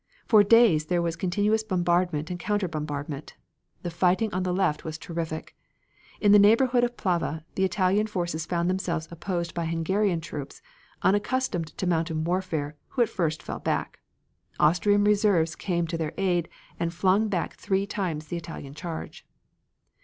For days there was continuous bombardment and counter bombardment. The fighting on the left was terrific. In the neighborhood of Plava the Italian forces found themselves opposed by Hungarian troops, unaccustomed to mountain warfare, who at first fell back. Austrian reserves came to their aid, and flung back three times the Italian charge.